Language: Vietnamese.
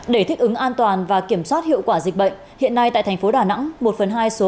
để thích ứng an toàn và kiểm soát hiệu quả dịch bệnh hiện nay tại thành phố đà nẵng một phần hai số